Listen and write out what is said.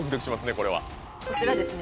これはこちらですね